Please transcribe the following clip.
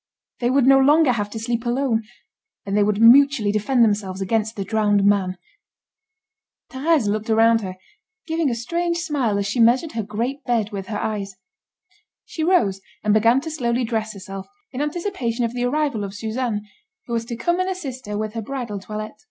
They would no longer have to sleep alone, and they would mutually defend themselves against the drowned man. Thérèse looked around her, giving a strange smile as she measured her great bed with her eyes. She rose and began to slowly dress herself, in anticipation of the arrival of Suzanne, who was to come and assist her with her bridal toilet.